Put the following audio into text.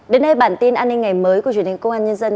đến đây bản tin an ninh ngày mới của truyền hình công an nhân dân